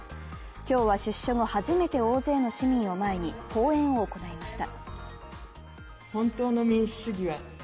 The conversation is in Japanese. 今日は出所後、初めて大勢の市民を前に講演を行いました。